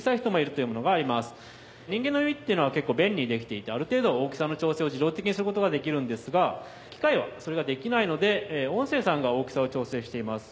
人間の耳っていうのは結構便利にできていてある程度は大きさの調整を自動的にできるんですが機械はそれができないので音声さんが大きさを調整しています。